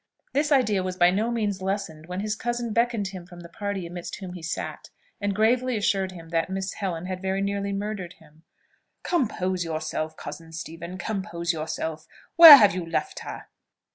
This idea was by no means lessened when his cousin beckoned him from the party amidst whom he sat, and gravely assured him that Miss Helen had very nearly murdered him. "Compose yourself, cousin Stephen compose yourself. Where have you left her?"